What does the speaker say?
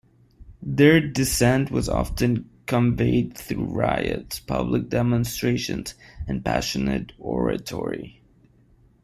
Their dissent was often conveyed through riots, public demonstrations, and passionate oratory.